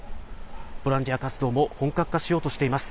ボランティア活動も本格化しようとしています。